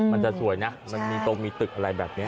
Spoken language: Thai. มันจะสวยนะมันมีตึกอะไรแบบเนี่ย